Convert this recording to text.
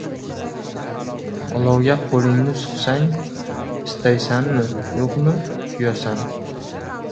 • Olovga qo‘lingni suqsang, istaysanmi-yo‘qmi kuyasan.